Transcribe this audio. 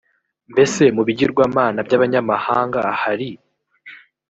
mbese mu bigirwamana by’abanyamahanga hari